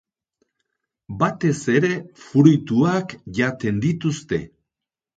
Batez ere fruituak jaten dituzte.